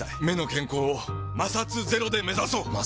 目の健康を摩擦ゼロで目指そう！